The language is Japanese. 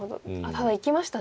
ただいきましたね。